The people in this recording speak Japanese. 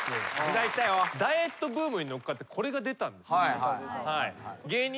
ダイエットブームに乗っかってこれが出たんです。